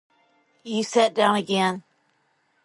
You sit down again.